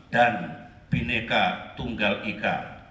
dan bineca tunggal ika